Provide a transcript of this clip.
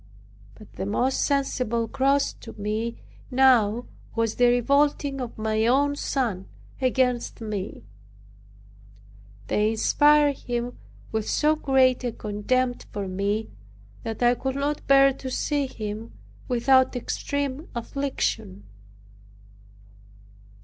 But the most sensible cross to me now was the revolting of my own son against me. They inspired him with so great a contempt for me, that I could not bear to see him without extreme affliction.